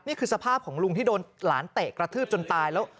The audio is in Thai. นี่คือสภาพของลุงที่โดนหลานเตะกระทืบจนตายแล้ว